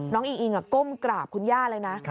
อิงอิงก้มกราบคุณย่าเลยนะ